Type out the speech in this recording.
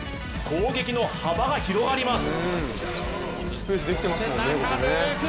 攻撃の幅が広がります。